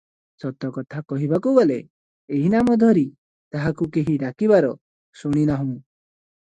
ସତ କଥା କହିବାକୁ ଗଲେ ଏହିନାମ ଧରି ତାହାକୁ କେହି ଡାକିବାର ଶୁଣିନାହୁଁ ।